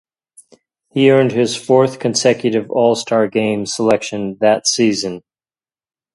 He earned his fourth consecutive All-Star Game selection that season.